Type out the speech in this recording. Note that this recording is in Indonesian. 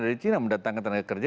dari china mendatangkan tenaga kerja